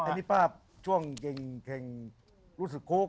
นี่คือภาพช่วงเกรงเทรงรู้สึกโค้ก